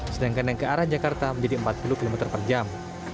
sedangkan yang ke arah jakarta menjadi empat puluh km per jam